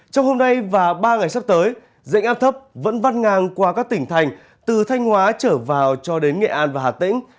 trong hôm nay và ba ngày sắp tới dạnh áp thấp vẫn văn ngang qua các tỉnh thành từ thanh hóa trở vào cho đến nghệ an và hà tĩnh